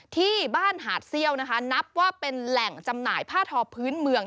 ที่บ้านหาดเซี่ยวนะคะนับว่าเป็นแหล่งจำหน่ายผ้าทอพื้นเมือง